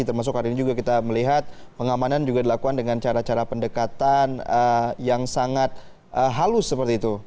termasuk hari ini juga kita melihat pengamanan juga dilakukan dengan cara cara pendekatan yang sangat halus seperti itu